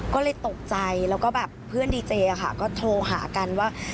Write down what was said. ก็เลยตกใจแล้วก็แบบเพื่อนดีเจค่ะก็โทรหากันว่า